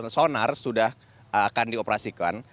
sonar sudah akan dioperasikan